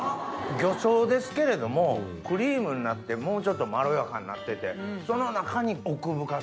魚醤ですけれどもクリームになってもうちょっとまろやかになっててその中に奥深さ。